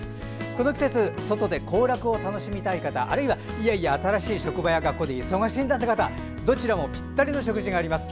この季節外で行楽を楽しみたい方あるいは、いやいや新しい職場や学校で忙しいんだっていう方どちらもぴったりの食事があります。